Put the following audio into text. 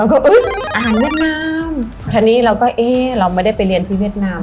แล้วก็อาหารเวียดนามคราวนี้เราก็เอ๊ะเราไม่ได้ไปเรียนที่เวียดนาม